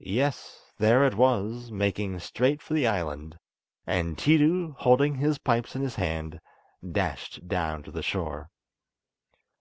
Yes! there it was, making straight for the island; and Tiidu, holding his pipes in his hand, dashed down to the shore.